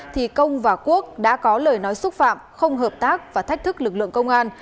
thì công và quốc đã có lời nói xúc phạm không hợp tác và thách thức lực lượng công an